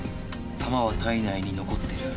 弾は体内に残ってる。